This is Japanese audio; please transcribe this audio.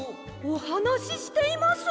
おはなししています！